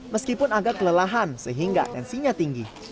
meskipun agak kelelahan sehingga tensinya tinggi